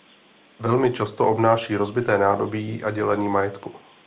Velmi často obnáší rozbité nádobí a dělení majetku.